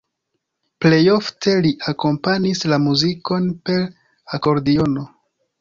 Plej ofte li akompanis la muzikon per akordiono.